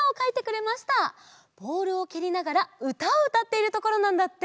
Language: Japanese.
ボールをけりながらうたをうたっているところなんだって！